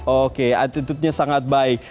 oke attitude nya sangat baik